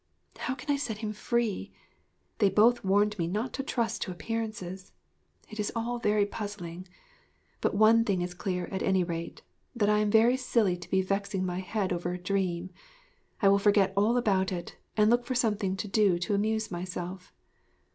How can I set him free?... They both warned me not to trust to appearances. It is all very puzzling.... But one thing is clear at any rate, that I am very silly to be vexing my head over a dream. I will forget all about it, and look for something to do to amuse myself.'